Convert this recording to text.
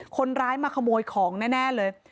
คนร้ายมาขโมยของแน่เลย